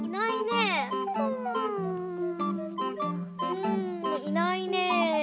うんいないね。